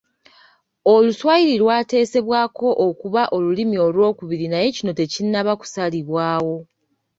Oluswayiri lwateesebwako okuba olulimi olwokubiri naye kino tekinnaba kusalibwawo.